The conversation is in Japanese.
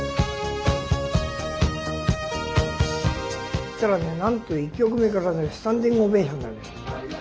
そしたらねなんと１曲目からねスタンディングオベーションなのよ。